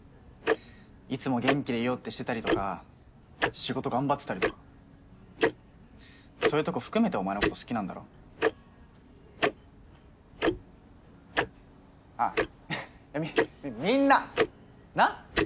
いつも元気でいようってしてたりとか仕事頑張ってたりとかそういうとこ含めてお前のこと好きなんだろあっみみんな！なっ！